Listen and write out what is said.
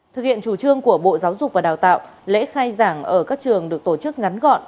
thực hiện chủ trương của bộ giáo dục và đào tạo lễ khai giảng ở các trường được tổ chức ngắn gọn